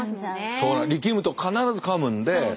そう力むと必ず噛むんで。